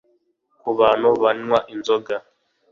ku bantu banywa inzoga